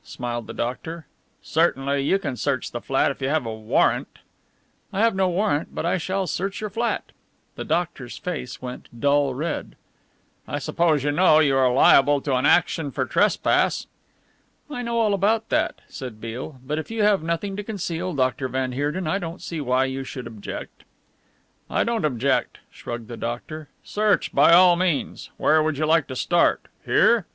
smiled the doctor. "Certainly you can search the flat if you have a warrant." "I have no warrant, but I shall search your flat." The doctor's face went dull red. "I suppose you know you are liable to an action for trespass?" "I know all about that," said Beale, "but if you have nothing to conceal, Dr. van Heerden, I don't see why you should object." "I don't object," shrugged the doctor, "search by all means. Where would you like to start? Here?"